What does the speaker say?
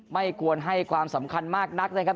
ไม่ควรให้ความสำคัญมากนักนะครับ